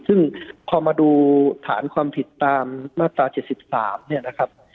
ซึ่งพอมาดูฐานความผิดตามมาตรา๗๓เนี่ยนะครับ